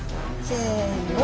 せの。